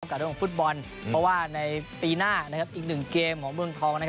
อยากกลับกับเรื่องฟุตบอลเพราะว่าปีหน้าอีก๑เกมของเมืองทอง